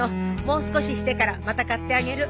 もう少ししてからまた買ってあげる。